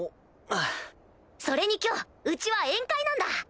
それに今日うちは宴会なんだ！